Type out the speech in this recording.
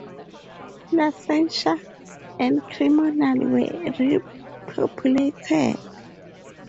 Placentia and Cremona were repopulated.